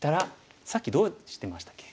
さっきどうしてましたっけ？